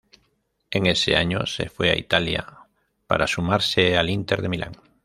En ese año se fue a Italia para sumarse al Inter de Milán.